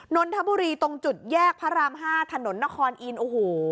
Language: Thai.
นนทบุรีตรงจุดแยกพระราม๕ถนนนครอินทร์โอ้โห